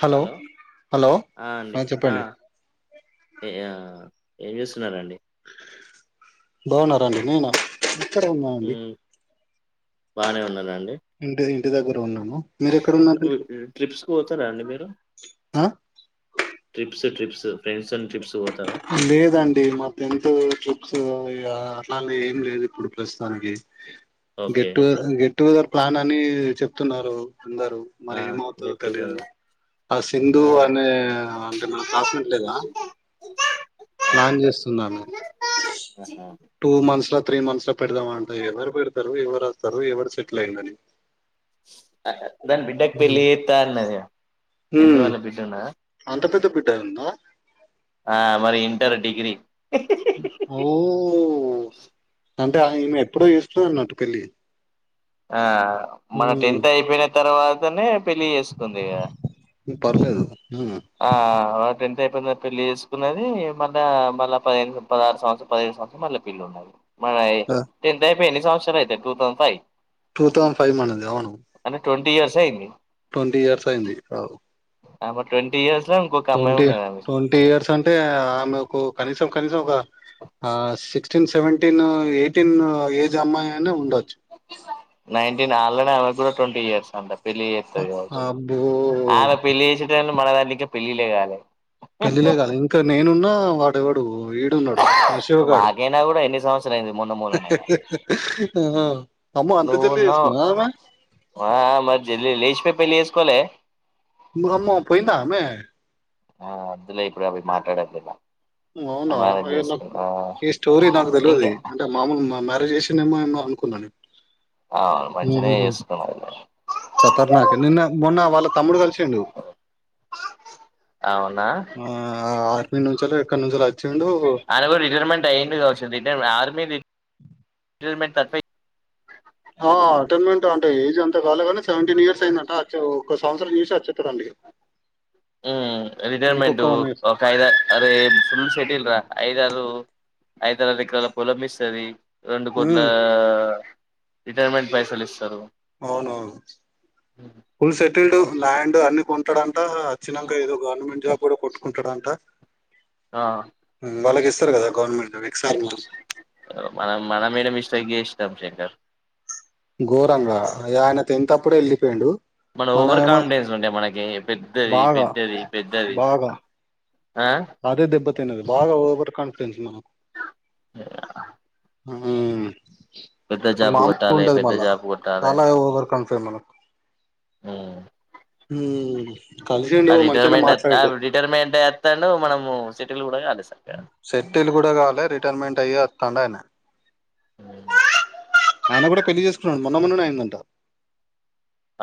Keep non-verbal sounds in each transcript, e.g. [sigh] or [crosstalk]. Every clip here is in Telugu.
హలో హలో ఆ అండి హ ఆ చెప్పండి ఆ ఏం చేస్తున్నారండి బాగున్నారండి నేన్ ఆ ఇంటి కాడే ఉన్నానండి బాగానే ఉన్నాండి ఇంటీ ఇంటి దగ్గర ఉన్నాను మీరు ఎక్కడ ఉన్నారండి ట్రిప్స్కి వోతారండి మీరు ఆ ట్రిప్స్ ట్రిప్సు లేదండి మా ఫ్రెండ్స్ పొయ్యి వచిరు సో ఇగ అలానే ఏం లేదు ఇప్పుడు ప్రస్తుతానికి okay get to get together plan అని చెప్తున్నారు అందరు ఆ మరి ఏమవుతుందో గెట్ తెలియ్దు టుగెదర్ ఆ సింధు ఆ అనే అంటే మన క్లాస్ మెంట్ లేదా ప్లాన్ చేస్తుంది ఆమె టూ మంత్స్ తా త్రీ మన్త్లో పెడదామా అంట ఎవరు పెడతారు ఎవరు వస్తారు ఎవరు సెట్లైండని దాని బిడ్డకి పెళ్ళి ఎత్తన్నదిగా చందు ఉమ్ వాళ్ళ బిడ్డనా అంత పెద్ద ఉందా ఆ మరి ఇంటర్ డిగ్రీ ఓ అంటేఆమె ఎప్పుడో చేసుకుందన్నట్టు పెళ్ళి ఆ మన టెన్త్ అయిపోయిన తర్వాతనే పెళ్లి చేసుకుంది కదా పర్లేదు మ్మ్ ఆ ఆమె టెన్త్ అయిపోయింది పెళ్లి చేసుకున్నది మళ్ళా మళ్ళా పదిహేను పదహారు సంవత్సరం పదిహేను మళ్లీ పిల్లోడు మనది టెన్త్ అయిపోయి ఎన్ని సంవత్సరాలు అయితే two thousand five two thousand five మనది అవును అంటే ట్వంటీ ఇయర్స్ అయింది ట్వంటీ ఇయర్స్ అయింది అవ్ అమే ట్వంటీ ఇయర్స్ లో ఇంకొక అమ్మాయి ట్వంటీ ఉన్నది ఆమెకి ట్వంటీ ఇయర్స్ అంటే నాకు కనీసం కనీసం ఒకా ఆ sixteen seventeen eighteen age అమ్మాయి అయిన ఉండొచ్చు నైన్టీన్ ఆల్రెడీ ఆమె కూడా ట్వంటీ ఇయర్స్ అంట పెళ్ళి చేస్తంది గావోచు అబ్బో ఆమె పెళ్లి చేసే టైమ్కీ మనదాంట్ల ఇంకా పెళ్ళిళ్ళెగాలేదు పెళ్ళిలే గాలే ఇంకా నేనున్నా వాడెవడు ఈడున్నడు ఇప్పుడు శివగాడు మాకైనా కూడా ఎన్ని సంవత్సరాలు అయింది మొన్న మొన్ననేనే ఆ ఆమో అంత నువ్వు జల్ది ఉన్నావ్ చేస్తున్నాద ఆమె ఆ మరి జల్ది లేచిపోయి పెళ్లి చేసుకోవాలే ఓయమ్మో పోయిందా ఆమె ఆ అద్దులే ఇప్పుడు అవి మాట్లాడదు ఇక అవునా అయో నాకు ఈ స్టోరీ నాకు ఇంకా తెల్వది అంటే మామూలు మా మ్యారేజ్ చేసిండనీ అనుకు ఆ మంచనే చేసున్నరు కతర్నాకు నిన్న మొన్న వాళ్ళ తమ్ముడు కలిసిండు అవునా నిన్నుంచలే ఆయన కూడా రిటైర్మెంట్ అయ్యండు కావచ్చు రిటైర్ంట్ ఆర్మీ రిటైర్మెంట్ తప్పి ఆ రిటైర్మెంట్ అంటే ఏజ్ అంతగాలే గాని సెవెంటీన్ ఇయర్స్ అయింద అంట అచ్చ ఒక సంవత్సరం చేసి వచ్చేత డీ ఉ రిటైర్మెంట్ వన్ ఇయర్ ఒక ఐద అరే ఫుల్ సెటిల్రా ఐదారు ఐదారు ఎకరాల పొలం మిస్సది రెండు కోట్లా రిటైర్మెంట్ పైసలిస్తారు అవునవును ఫుల్ సెటిల్డ్ ల్యాండ్ అన్ని కొంటాడంట అచ్చినంగా ఏదో గవర్నమెంట్ జాబ్ కూడా కొట్టుకుంటాడంట ఆ వాళ్ళకి ఇస్తారు కదా గవర్నమెంట్ ఎక్సార్ మ మనం మన మెడ మిస్టెక్ చేస్నం శంకర్ ఘోరంగా ఆయన తెంతప్పుడే వెళ్ళిపోయిండు మనం ఓవర్ మనమేమో కాన్ఫిడెన్స్ ఉండే మనకి పెద్దది బాగా పెద్దది పెద్దది బాగా ఆ అదే దెబ్బతిన్నది బాగా ఓవర్ కాన్ఫిడెన్స్ మన పెద్ద ఆ జాబ్ మామూలుగా కొట్టాలి ఉండదు పెద్ద మళ్ళా జాబ్ కొట్టాలి చాలా ఓవర్కాన్ఫిడెన్స్ మనకు ఉమ్ ఉమ్ ఆ రిటైర్మెంట్ రిటైర్మెంట్ ఎస్తాండు మనము సెటిల్ కూడా కలేదు సెట్టిల్ కూడా కాలే రిటైర్మెంట్ అయ్యి అత్తండు అన్నా ఆయన కూడా పెళ్ళి చేసుకున్నాడు మొన్న మొన్ననే అయిందంట.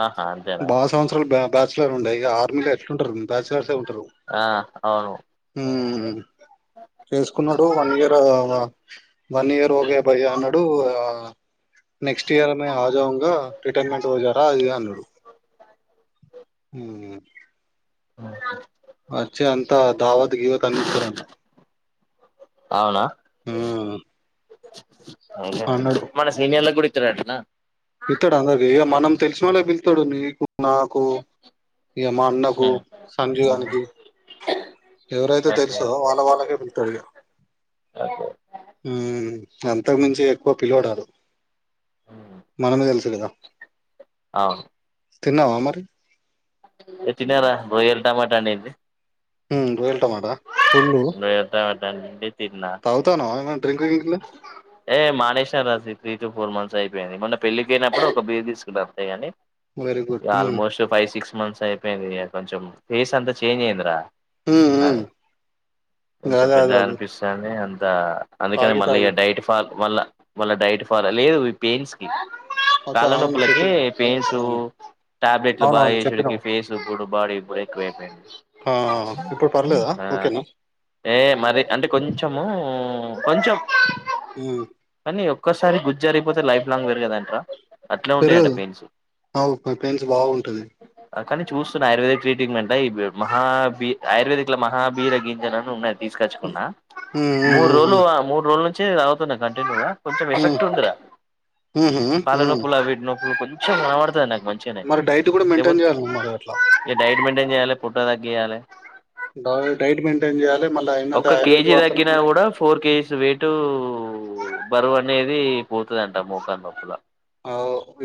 ఆహా అంతేనా బాగా సంవత్సరాలు బ్యా బ్యాచలర్ ఉండే ఇక ఆర్మీలో ఎట్లుంటరు. బ్యాచలర్స్ ఏ ఉంటరు. ఆ అవును మ్మ్ చేసుకున్నాడు వన్ ఇయర్ వన్ ఇయర్ గే భయ అన్నాడు నెక్స్ట్ ఇయర్ ఆజావంగాగా రిటైర్మెంట్ ఓజారా అది ఇది అన్నాడు మ్మ్ మ్ వచ్చే అంతా దావద్ గివత్ అన్నిత్తారంట అవునా అవునులే మన సీనియర్ లగూడ ఇతు ఇతరంటానా ఇత్తాడా అందది మనం తెలిసిన వాళ్ళ పిళ్తాడు నీకు నాకు ఇగ మా అన్నకు సంజీవ్ గానికి ఎవరైతే ఓకే తెలుసో వాళ్ళ వాళ్ళకే పిలుతాడు ఇగ ఓకే ఉహు అంతకు మించే ఎక్కువ పిలువడు వాడు మనమే తెలుసు కదా అవును తిన్నావా మరీ ఏ తిన్నారా రోయల్ టమాటా అనేది రోయల్ టమాటా పుల్ రొయ్యల టమాటా అండింది తిన్నా తాగుతానవ ఏమ డ్రింక్ ఇట్లా ఏ మానేసా రా సి త్రీటు ఫోర్ మంత్స్ అయిపోయింది. మొన్న పెళ్ళికి వెళ్ళినప్పుడు ఒక బీర్ తీసుకున్నా అంతేగాని వెరీ గుడ్ ఇక ఉమ్ ఆల్మోస్ట్ ఫైవ్ సిక్స్ మంత్స్ అయిపోయిందిక కొంచెం ఫేస్ అంతా చేంజ్ అయిందిరా. ఉమ్ ఉమ్ అదే కొంచెం అదే అదే పెద్దగ అదే అనిపిస్తాంది. అంత అందుకని తాగి మళ్ళీ తాగి డైట్ ఫాల్ మళ్ళ మళ్ళా డైట్ ఫాల్ లేదు పెయిన్స్ కి అచ్చా అవును కాళ్ళనొప్పులకి చెప్పినవు పెయిన్సు అవును టాబ్లెట్లు బాగా అవునవును ఏసుడికి చెప్పినవు ఫేస్ ఇప్పుడు బాడీ ఏక్కువ ఐపోయింది ఆ ఇప్పుడు పర్లేదా ఆ ఓకేనా ఏ మరీ అంటే కొంచము కొంచం ఉమ్ పని ఒక్కసారి గుజ్జరిగిపోతే లైఫ్ లాంగ్ పెరుగదు అంట. పెరుగదు ఆవు పెయిన్స్ బాగుంటది కానీ చూస్తున్నా ఆయుర్వేదిక్ ట్రీట్మెం అంట. ఈ మహాభీ ఆయుర్వేదిక్ లో మహార గింజన్ అని ఉన్నాది తీసుకచ్చుకున్నా హ్మ్ హ్మ్ మూడు హ్మ్ రోజులు మూడు రోజుల నుంచి తాగుతున్న కంటిన్యూగా కొంచెం హ్మ్ ఎఫెక్ట్ ఉందిరా హ్మ్ హ్మ్ కాళ్ళ హ్మ్ నొప్పులు అవి విట్ నొప్పులు కొంచెం మాడతా నా మంచిగనే మరి డైట్ కూడా మెయింటైన్ లేకపోతే చేయాలి మరి అట్లా డైట్ మెయింటైన్ చేయాలి. పొట్ట తగ్గియాలి. డైట్ డైట్ మెంటైన్ చేయాల ఒక కేజీ తగ్గిన కూడా ఫోర్ కేజీస్ వెయిట్ బరువు అనేది పోతది అంట మోకాన్ నొప్పులా ఔ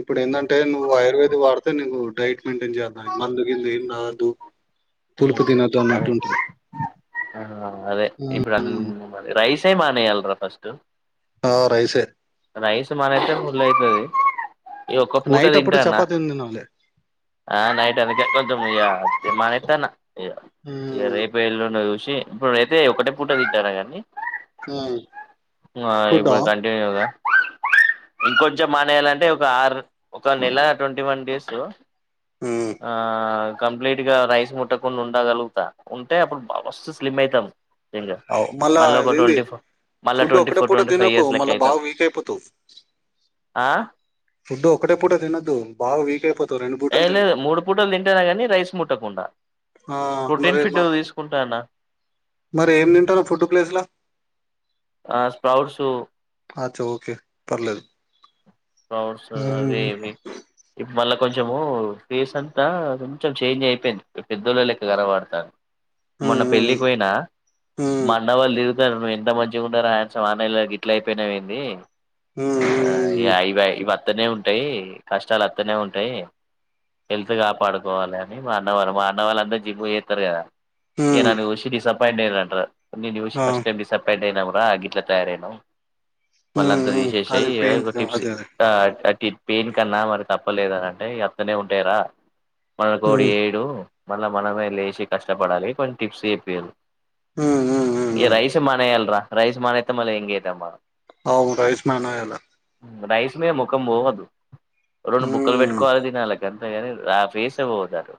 ఇప్పుడు ఏంది అంటే నువ్వు ఆయుర్వేది వాడితే నువ్వు డైట్ మెయింటైన్ చేయాల్నా మందు గిందు ఏం తాగొద్దు. తులుపు తినద్దు అన్నట్టు అదే ఉంటది ఆ అదే ఇప్పుడు రైసే మానేయాలి రా పస్ట్ ఆ రైసే రైస్ మానేతే ఫుల్ అయితది ఈగ ఒక్క పూట నైట్ అప్పుడు తింటాన్న చపాతి తినాలి ఆ నైట్ అందుకే కొంచెం ఇ తే మనఅయితన్నా హ్మ్ రేపు ఎల్లుండి చూస్ ఇప్పుడు అయితే ఒకటే పూట తింటాన గాని హ్మ్ ఆ ఫుడ్డా ఇప్పుడు కంటివ్యూగా ఇంకొంచెం మానేయాలంటే ఒక ఆరు ఒక నెల ట్వంటీ వన్ డేస్ హ్మ్ ఆ కంప్లీట్ గా రైస్ ముట్టకుండా ఉండగలుగుతా. ఉంటే అప్పుడు బా మస్ స్లిమ్ అయితాం. ఇంగ అవు మళ్ళా మళ్ళ ఒక ఇది ఏంది ట్వంటీ ఫోర్ మళ్ళా ఫుడ్ ట్వంటీ ఒకటే ఫోర్ పూట ట్వంటీ ఫైవ్ తినకు. ఇయర్స్ లెక్క మళ్ళా అయితాం బాగా వీక్ అయిపో అయిపోతావ్ ఆ తినొద్దు బాగా వీక్ అయిపోతావు రెండు ఏ పూటలు తిను లేదు మూడ్ పూటలు దింటన గానీ రైస్ ముట్టకుండా ఆ మరి ప్రోటీన్ మ ఫిడు దిసుకుంటాన్న మరి ఏం తింటరూ ఫుడ్డు ప్లేస్లా ఆ స్ప్రౌట్స్ అచ్చా ఓకే పర్లేదు బాగోస్తద్ అవే ఉమ్ ఇవి ఇ మల్ల కొంచమూ ఫేస్ అంతా కొంచమ్ చేంజ్ అయిపెంద్ పెద్ పెద్దోళ్ళ లెక్క గనబడతాన్ మొన్న ఉమ్ పెళ్ళిక్ వోయినా మా ఉమ్ అన్నవాళ్ లీడ్ తర్ నువ్ ఎంత మంచిగుండేరా హ్యాన్ సమ్ ఆర్ నేళ్ళకీ ఇట్లా అయిపెయినవేంది ఉమ్ ఉమ్ గైవై వత్తనే ఉంటాయ్ కష్టలు అత్తనే ఉంటాయ్ హెల్ తు గాపాడుకోవాలని మా అన్నవాళ్ మా అన్న వాళ్ళందర్ జిము యేత్తర్ కదా ఉమ్ ఇగ ఉమ్, నన్ను జూషి డిసప్పాయింట్ అయిరన్ ట్ర నిను జుష్ ఆ ఫస్ట్ టైమ్ డిసప్ పాంట్ అయినమ్ రా గిట్లా తయారైనవ్ ఉమ్ మళ్ళంత ఉమ్ తీశేషయ్ అది పెయిన్ యడక్ గొట్ అదే అదే ట టట్టి పేన్ కన్నా మరి తప్పలేదన్ అంటే అత్తనే ఉంటయి రా మనకోడ్ ఉమ్ యేడూ మళ్ళ మనమే లేషి కష్టపడాలి కొన్ టిప్స్ ఎప్పిరు ఉమ్ ఉమ్ ఉమ్ ఇగ ఉమ్ రైస్ మానేయాల్ రా రైస్ మానేత్తే మళ్ళ యంగ్ అయితమ్మా ఔ రైస్ మానయ్యాల రైస్ మీద మొఖం పోవద్దు రొండు బుక్కలు ఉమ్ బెట్టుకోవాలె దినాలె గంతేగాని ఆ ఫేస్ ఏ పోవద్ అటూ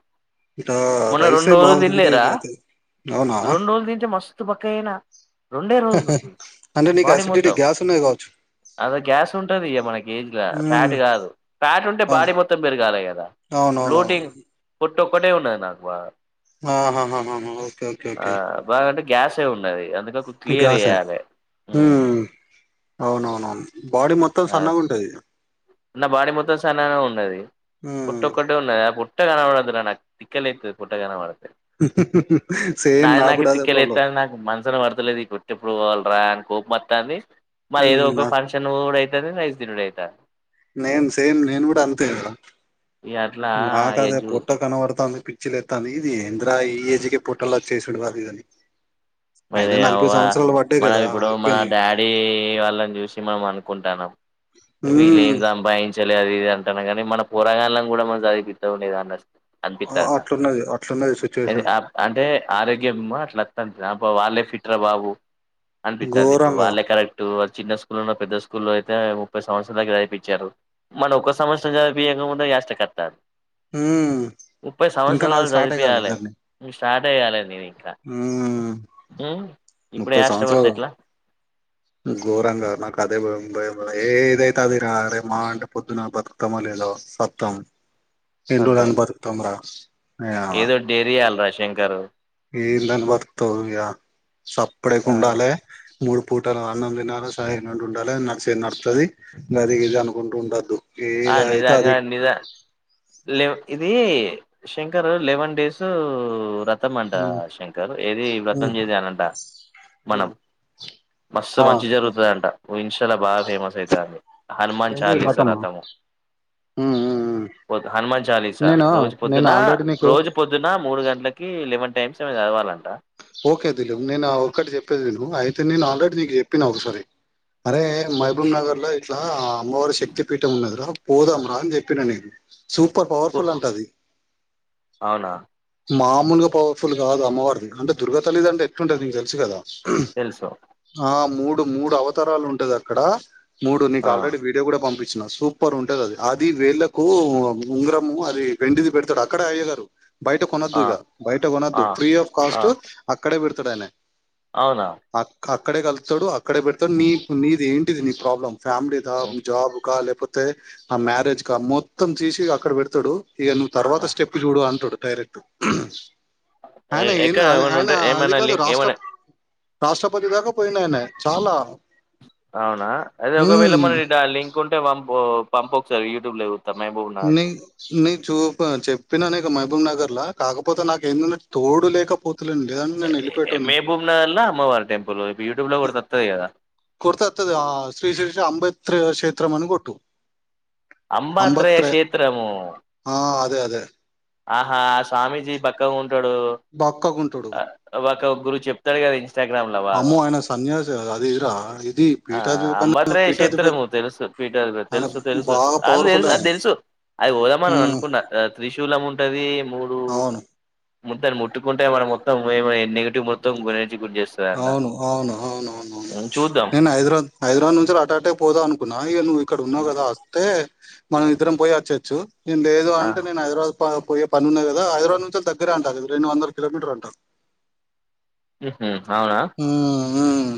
ఇట మొన్న రైసే రొండ్రోజులు దిన్ బాగుందండి లేరా ఇది అయితే అవునా రొండ్రోజులు దింటే మస్ స్తూ బక్కగైన రొండే రోజుల్ కీ అంటే నీకు బాడీ అసిడిటీ మొత్తం గ్యాస్ ఉన్నది కావచ్చు అదే గ్యాస్ ఉంటది ఇగ మనకి ఏజ్ ల ఉమ్ ఫ్యాట్ గాదు ఫ్యాటుంటే బాడీ మొత్తం పెరగాలె కదా ఔనోనోన్ పొట్టొకటే ఉండద్ నాక్ బాధ ఆ హ హ హ ఓకే ఓకే ఓకే బాగా అంటే గ్యాసే ఉన్నది అందుక్ మ్ గ్యాస ఉమ్ ఔనోనో న్ బాడీ మొత్తం ఆ సన్నఉంటది నా బాడీ మొత్తం సన్నగఉన్నది హ్మ్ పొట్టొకటే ఉన్నది ఆ పోట్ ట్ట గనవడొద్దురా నాక్ తిక్కలేతది పొట్టగనవడ సేమ్ నాద్ నాకు నాకే కూడా అదే తిక్కే ప్రాబ్లం లేతంద్ నాకు మన్ స్ న పడ్ తలేద్ ఈ పొట్టేప్పుడ్ వాల్ ప్రాన్ కోప్ మొత్తాంది మరి ఏదో హ్మ్ ఒక నా ఫంక్షన్ వోవ్ డయితది రైస్ దినుడయిత నేన్ సేమ్ నేన్ గుడా అంతే ఇంక ఇగ అట్లా నాక్ ఇగ అదే చూ పొట్ట కనబడతంది పి చ్చిలేత్తాంది ఇది ఎంద్ రా ఈ ఏజ్ కే పొట్టలొచ్చేసుడూ అదీ ఇదీ అని అయినా నలభై వొనియవ్వ సంవత్సరాలు పడ్డాయి మనం కదా ఇప్పుడు మన అయిపోయింది డాడీ ఈ వాళ్ళన్ జుసి మన్ మన్ అన్ క్ కుంటాన్నమ్ వీళ్ హ్మ్ లేమ్ జంభాయిస్ చలే అది ఇది అంటాన్నం గనీ మన పోరగాళ్ళన్ కూడా మనం చదిపిత్తమో లేదో అనట్ అన్ ఆ పితంద్ నాక్ అట్లున్నది అట్లున్నది ఇదీ సిచ్యువేషన్ ఆప్ అంటే ఆరోగ్యము అట్ల టం ర్యమ్ పొ వాళ్ళే ఫిట్ రా బాబు అన్ పిత్తాంది ఇప్పుడు ఘోరంగా వాళ్ళే కరక్టు అజ్ చిన్న స్కూలోన పెద్ద స్కూల్లో అయితే ముప్పై సంవత్స దాగా చవ్ పిచారు మనం ఒక్క సంవత్సరం చదిపియక ముంద్ ఆయా కష్ట కడ్ త ఊమ్ ఇంక నాది వాళ్ళు స్టార్టె కాలె చదివిపియ్యాలే జర్ నీ స్టార్ట్ చేయాలే నేను ఇంకా ఉమ్మ్ మ్మ్ ఇప్పుడే ముప్పై సౌవ్ యాష్ట పడితే త్సరాల ఎట్లా ఉ గోరంగా నాక్ అదే భయమ్ బయపడ ఏ ఏదయితే అదిరా అరే మాఅంటే పొద్దున బతుకతమో లేదో సత్తం ఎన్ రోల్ అంతే అని బతుకుతమ్ రా నీయవ్వ ఏదో డేర్ జెయల్ రా శంకరు ఏందని బతుక్తవ్ ఇగ ఆ సప్పుడేకుండాలే మూడు పూటల అన్నం తినాలె సైర్న ఉండాలే నడిషేద్ నడుత్తది గది ఇది అనుకుంటుండద్దు ఏదైతె అది లె ఇదీ శంకర్ లెవెన్ డేస్ ర తం అంటా మ్ శంకర్ ఏది వ్రతం మ్ చేసారంట మనం మ్ మస్తు ఆ మంచి జరుగుతదంట విన్ షాల బా ఫేమస్ ఐతంది హనుమాన్ చాలీసా రదాము ఉమ్ ఉమ్ హనుమాన్ చాలీసా రోజ్ పొద్దున నీకు రోజు పొద్దున ఆ మూడు గంట్ లకి లెవెన్ టైమ్స్ ఏమొ చదవాలంట ఓకే దిలీప్ నేను అ ఒక్కటి చెప్పేది విను అయితే నేను ఆల్రెడీ నీకు చెప్పిన ఒకసారి అరే మహబూబ్ నగరలో ఇట్లా అమ్మవారి శక్తి పీఠం ఉన్నదిరా పోదాంరా అని చెప్పిన నేను సూపర్ ఓ పవర్ఫుల్ అంట ఆది అవునా మా మూలుగా పవర్ఫుల్ కాదు అమ్మవారిది అంటె దుర్గతల్లిడాంటే ఎట్లుంటది నీకు తెలుసు కదా తెలుసు ఆ మూడు మూడు అవతారలు ఉంటది అక్కడ మూడు నీకు ఆ ఆల్రడీ వీడియో కూడా పంపి చ్చిన సూపర్ ఉంటది అది అది వేళ్ళలకు ఉంగరము అది వెండిది పెడతాడ అక్కడ అయ్యగారు బయట కొనొద్దు ఆ ఇగ బయట ఆ కొనొద్దు ఫ్రీ ఆఫ్ ఆ కాస్ట్ అక్కడే పెడుతడైనే అవునా అక్కడే కలుతాడు అక్కడే పెడతాడు నీ నీది ఏంటిది నీ ప్రాబ్లమ్ ఫ్యామిలీక మీ జాబ్ కా లే పోతే ఆ మ్యారేజ్ క మొత్తం తీసి అక్కడ పెడుతాడు ఇగ నీ తర్వాత స్టెప్ చూడు అంటాడు డైరెక్టు ఎ ఎక్కడ ఏమైనా ఉంటే ఏమైనా కాదు లింక్ రాష్ట్ర ఏమైనా రాష్ట్రపతి దాకా పోయిండు ఐనే చాలా అవునా అదే ఒకవేళ ఉమ్ మనకి దన్ లింక్ ఉంటే పంపు పంపుకసారి యూట్యూబ్ ల చు నీ నీ చూపు చెపిన నే మహబూబ్ నగర్ల కాకపోతే నాకు ఎందన్నటు తోడు లేకపోతే తలేన్ లేదు అంటే నేను ఎళ్ళిపోయేటొడ్ని మహబూబ్ నగర్ లో అమ్మవారి టెంపుల్ ఇప్పుడు యూట్యూబ్ లో అ కూడా వత్తది కదా కొడితే ఒత్తది ఆ శ్రీ శిరీష అబేత్ర కేత్రం అని కొట్టు అంబత్రే అంబత్రేయశేత్రము ఆ అదే అదే ఆహా ఆ స్వామిజీ బక్క ఉన్ బక్కగుంటాడు ఒక గురువు చెప్తాడు కదా ఇన్స్టాగ్రామ్ లో బాగా అమ్మో ఆయన సన్యాసి కదా అది ఇరా ఇది పీఠాభి అంబేత్రయ క్షేత్రము తెలుసు పీఠాభిమం ఆయన తెలుసు తెలుసు బాగా అ తెలుసు పవర్ఫుల్ అది ఆయన తెలుసు అది పోదామని అని ఉమ్, అనుకున్న త్రిశూలం ఉంటది మూడు అవును ముదన్ ముట్టుకుంటే మనం మొత్తం ఏ నెగిటివ్ మొత్తం గురి చేస్తుందంట అవును అవును అవునువునువును చూద్దాం నేను హైదరాబాద్ హైదరాబాద్ నుంచెలి అటాటే పోధాం అనుకున్నా ఇగ నువ్వు ఇక్కడ ఉన్నావు కదా అస్తే మనం ఇద్దరం పోయి అచేచ్చు నం లేదు ఆ అంటే నేను హైదరాబాద్ పా పోయే పన్ని ఉన్నది కదా హైదరాబాద్ నుంచెలి దగ్గరే అంటా అది రెండు వందల కిలోమీటర్ అంటా మ్ హు అవునా ఉమ్మ్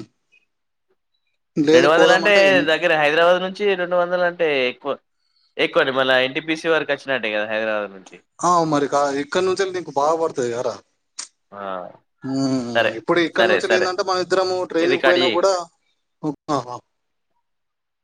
రెండు వందల అంటే ఎంత దగ్గరే హైదరాబాద్ నుంచి రెండు వందల అంటే ఎక్కువ ఎక్కువనే మన ఎన్టీపిసి వరకు అచ్చినట్టే కదా హైదరాబాద్ నుంచి అవ్ మరి కాద ఇక్కడి నుంచెలి నీకు బాగా పడుతది కాదార ఆ మ్ సరే ఇప్పుడు ఇక్కడ సరే నుంచెలి సరే ఎదంటే మన ఇద్దరంము ఇది ట్రైన్కి కట్ పోయినా చెయ్ కూడా [unintelligible]